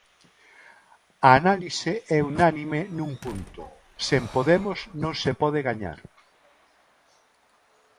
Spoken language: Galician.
A análise é unánime nun punto: sen Podemos non se pode gañar.